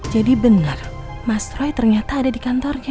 jadi benar mas roy ternyata ada di kantornya